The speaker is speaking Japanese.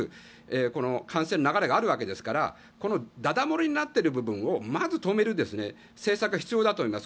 この感染の流れがあるわけですからだだ漏れになっている部分をまず止める政策が必要だと思います。